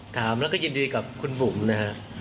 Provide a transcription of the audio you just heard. ถามแล้วก็ยินดีกับคุณบุ๋มนะฮะ